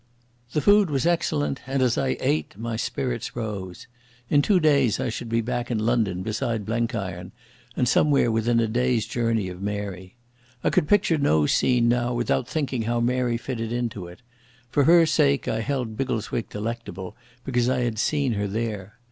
The food was excellent, and, as I ate, my spirits rose. In two days I should be back in London beside Blenkiron and somewhere within a day's journey of Mary. I could picture no scene now without thinking how Mary fitted into it. For her sake I held Biggleswick delectable, because I had seen her there.